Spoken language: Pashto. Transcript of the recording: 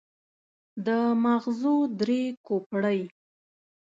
د ماغزو درې کوپړۍ.